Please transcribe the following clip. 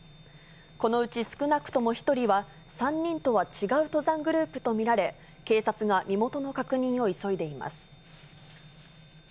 このうち少なくとも１人は、３人とは違う登山グループと見られ、警察が身元の確認を急いでいます。